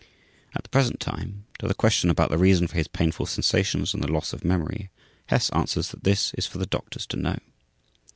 At the present time, to the question about the reason for his painful sensations and the loss of memory, Hess answers that this is for the doctors to know.